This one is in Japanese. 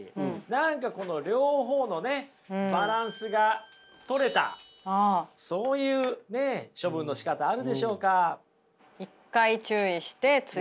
何かこの両方のねバランスがとれたそういうね処分のしかたあるでしょうか。